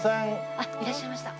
あっいらっしゃいました。